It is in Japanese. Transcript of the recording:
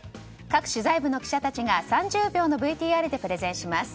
各取材部の記者たちが３０秒のＶＴＲでプレゼンします。